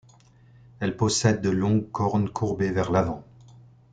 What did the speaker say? Elle possède de longues cornes courbées vers l'avant.